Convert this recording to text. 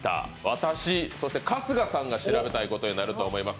私、そして春日さんが調べたいことになると思います。